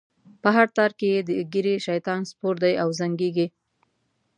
په هر تار کی یې د ږیری؛ شیطان سپور دی او زنګیږی